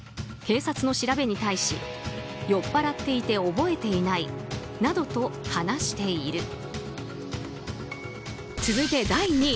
警察の調べに対し酔っぱらっていて覚えていないなどと話している。